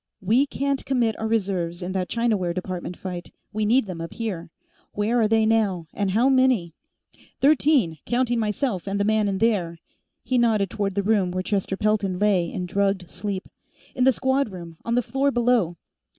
"We can't commit our reserves in that Chinaware Department fight; we need them up here. Where are they, now, and how many?" "Thirteen, counting myself and the man in there." He nodded toward the room where Chester Pelton lay in drugged sleep. "In the squad room, on the floor below."